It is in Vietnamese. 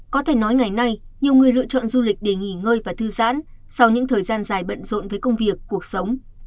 có thể nói ngày nay nhiều người lựa chọn du lịch để nghỉ ngơi và thư giãn sau những thời gian dài bận rộn với công việc cuộc sống